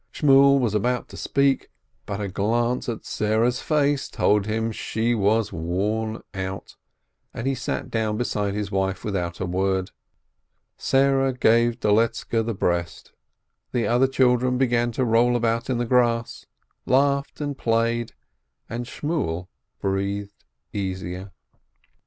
Shmuel was about to speak, but a glance at Sarah's face told him she was worn out, and he sat down beside his wife without a word. Sarah gave Doletzke the breast. The other children began to roll about in the grass, laughed and played, and Shmuel breathed easier.